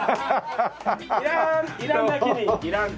いらんイランだけにいらんと。